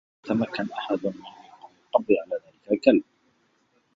لم يتمكّن أحد من إلقاء القبض على ذلك الكلب.